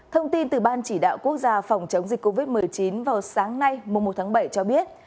thông tin từ ban chỉ đạo quốc gia phòng chống dịch covid một mươi chín vào sáng nay một tháng bảy cho biết